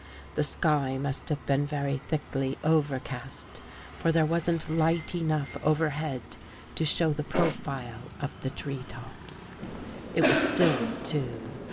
The sky must have been very thickly over | cast, for there wasn't light enough overhead to | show the profile of the tree tops. It was still, too.